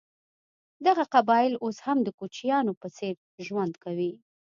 دغه قبایل اوس هم د کوچیانو په څېر ژوند کوي.